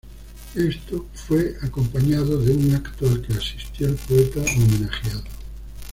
Esto fue acompañado de un acto al que asistió el poeta homenajeado.